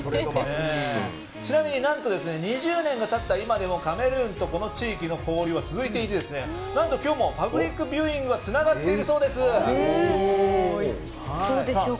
ちなみに何と２０年が経った今でもカメルーンとこの地域の交流は続いていて何と今日もパブリックビューイングがつながっているそうです。